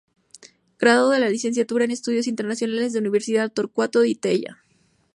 Graduado de la Licenciatura en Estudios Internacionales en Universidad Torcuato Di Tella.